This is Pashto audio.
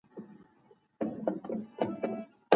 اوږده پاڼه د هغه لخوا ډنډ ته وړل کیږي.